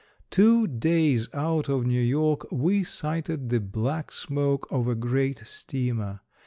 Two days out of New York we sighted the black smoke of a great steamer.